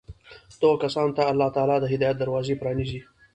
دغو كسانو ته الله تعالى د هدايت دروازې پرانېزي